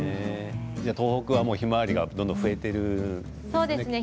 じゃあ東北はヒマワリがどんどん増えているんですね。